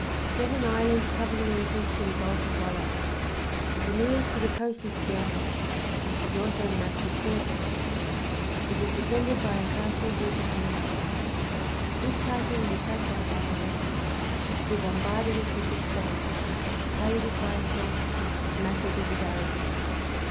Seven islands cover the entrance to the Gulf of Volo. The nearest to the coast is Skiathos, which is also the most important; it was defended by a castle built upon a rock. This castle was attacked by Barbarossa, who bombarded it for six days, carried it by assault, and massacred the garrison.